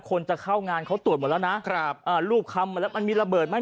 คนจะเข้างานเขาตรวจหมดแล้วนะครับอ่ารูปคำมาแล้วมันมีระเบิดไหม